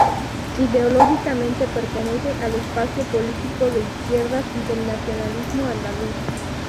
Ideológicamente pertenece al espacio político de izquierdas y del nacionalismo andaluz.